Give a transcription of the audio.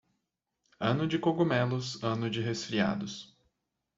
Ano de cogumelos, ano de resfriados.